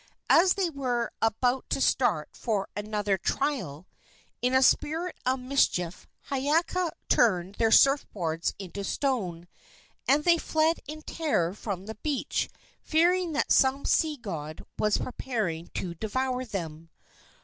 As they were about to start for another trial, in a spirit of mischief Hiiaka turned their surf boards into stone, and they fled in terror from the beach, fearing that some sea god was preparing to devour them.